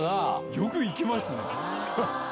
よく行けましたね。